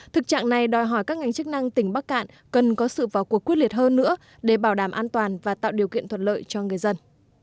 thực trạng này đòi hỏi các ngành chức năng tỉnh bắc cạn cần có sự vào cuộc quyết liệt hơn nữa để bảo đảm an toàn và tạo điều kiện thuận lợi cho người dân